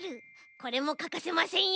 これもかかせませんよ。